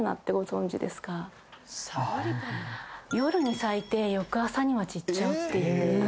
夜に咲いて翌朝には散っちゃうっていう。